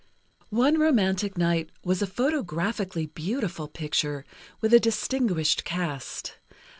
"One Romantic Night" was a photographically beautiful picture, with a distinguished cast.